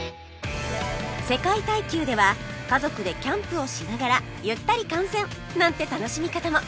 世界耐久では家族でキャンプをしながらゆったり観戦！なんて楽しみ方も